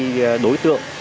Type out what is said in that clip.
các đối tượng